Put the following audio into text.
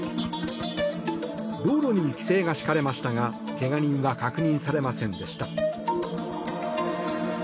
道路に規制が敷かれましたが怪我人は確認されませんでした。